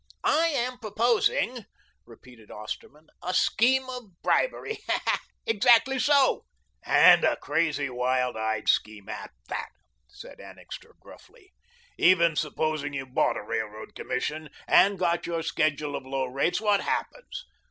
"I am proposing," repeated Osterman, "a scheme of bribery. Exactly so." "And a crazy, wild eyed scheme at that," said Annixter gruffly. "Even supposing you bought a Railroad Commission and got your schedule of low rates, what happens?